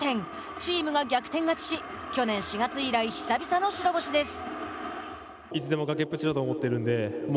チームが逆転勝ちし去年４月以来久々の白星です。